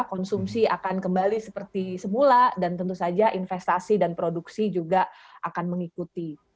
konsumsi akan kembali seperti semula dan tentu saja investasi dan produksi juga akan mengikuti